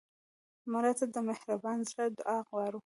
مړه ته د مهربان زړه دعا غواړو